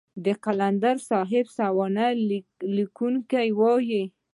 د قلندر صاحب سوانح ليکونکي وايي.